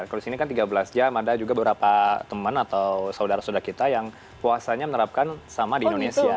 kalau di sini kan tiga belas jam ada juga beberapa teman atau saudara saudara kita yang puasanya menerapkan sama di indonesia